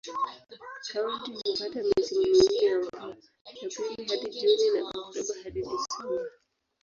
Kaunti hupata misimu miwili ya mvua: Aprili hadi Juni na Oktoba hadi Disemba.